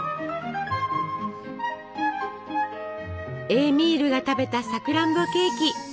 エーミールが食べたさくらんぼケーキ。